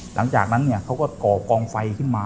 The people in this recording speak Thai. หลังจากนั้นเขาก็ก่อกองไฟขึ้นมา